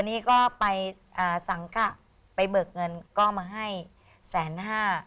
นี่ก็ไปอ่าสังกะไปเบิกเงินก็มาให้แสนห้า